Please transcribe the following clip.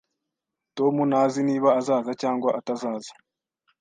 Tom ntazi niba azaza cyangwa atazaza